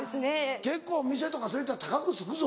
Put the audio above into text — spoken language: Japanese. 結構店とか連れてったら高くつくぞ。